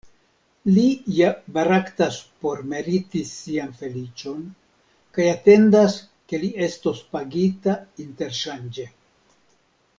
Li ja baraktas por meriti sian feliĉon, kaj atendas ke li estos pagita interŝanĝe.